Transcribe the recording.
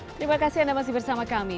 terima kasih anda masih bersama kami